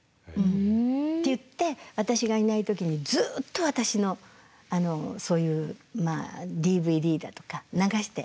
って言って私がいない時にずっと私のあのそういうまあＤＶＤだとか流して。